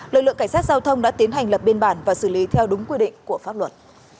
lực lượng cảnh sát giao thông đã tiến hành lập biên bản và xử lý theo đúng quy định của pháp luật